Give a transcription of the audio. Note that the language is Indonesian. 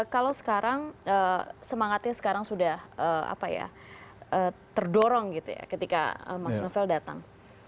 kalau sekarang semangatnya sekarang sudah terdorong gitu ya ketika mas novel datang